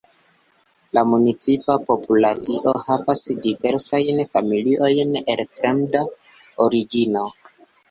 La municipa populacio havas diversajn familiojn el fremda origino.